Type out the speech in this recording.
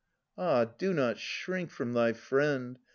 Ah! do not shrink from thy friend.